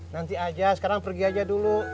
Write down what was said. nanti aja sekarang pergi aja dulu